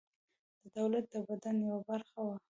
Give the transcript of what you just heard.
د دولت د بدن یوه برخه وه.